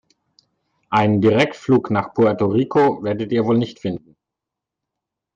Einen Direktflug nach Puerto Rico werdet ihr wohl nicht finden.